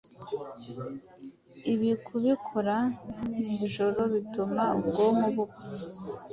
Ibi kubikora nijoro bituma ubwonko bupfa